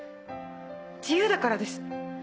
自由だからです。